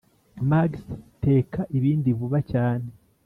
max teka ibindi vuba cyane!!